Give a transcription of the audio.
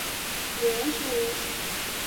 Велеш, велеш